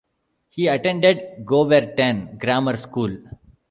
He attended Gowerton Grammar School.